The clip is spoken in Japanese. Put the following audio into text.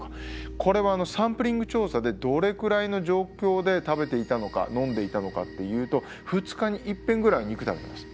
これはサンプリング調査でどれくらいの状況で食べていたのか飲んでいたのかっていうと２日に一遍ぐらい肉食べてました。